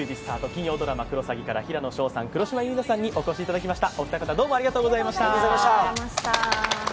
金曜ドラマ「クロサギ」から平野紫耀さんと黒島結菜さんにお越しいただきました。